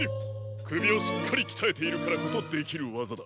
くびをしっかりきたえているからこそできるわざだ。